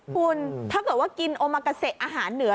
คุณถ้าเกิดว่ากินโอมากาเซอาหารเหนือ